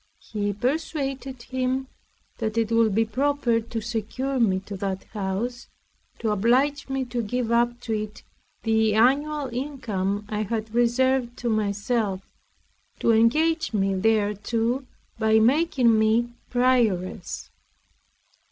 He persuaded him, that it would be proper to secure me to that house, to oblige me to give up to it the annual income I had reserved to myself; to engage me thereto, by making me prioress.